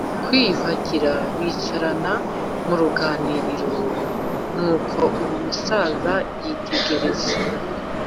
kwiyuhagira, bicarana mu ruganiriro nuko uwo musaza yitegereza